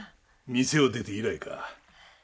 店を出て以来か。